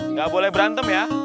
nggak boleh berantem ya